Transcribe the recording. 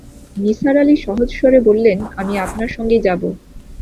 নিসার আলি সহজ স্বরে বললেন, আমি আপনার সঙ্গেই যাব।